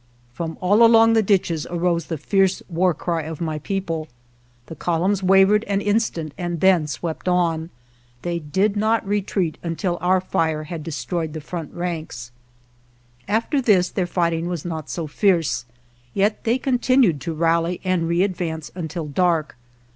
From all along the ditches arose the fierce war cry of my people. The columns wav ered an instant and then swept on; they did not retreat until our fire had destroyed the front ranks. After this their fighting was not so fierce, yet they continued to rally and readvance until dark.